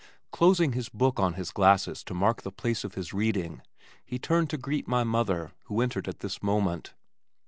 Closing his book on his glasses to mark the place of his reading he turned to greet my mother who entered at this moment.